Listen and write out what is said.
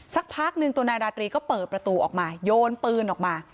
สักพักหนึ่งตัวนายราตรีก็เปิดประตูออกมาโยนปืนออกมา